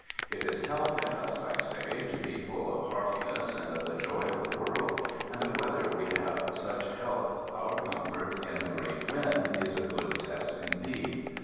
It is health in us, I say, to be full of heartiness and of the joy of the world, and of whether we have such health our comfort in a great wind is a good test indeed.